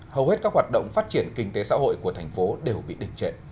hầu hết các hoạt động phát triển kinh tế xã hội của thành phố đều bị đình trện